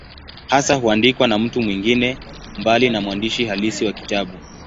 Hasa huandikwa na mtu mwingine, mbali na mwandishi halisi wa kitabu.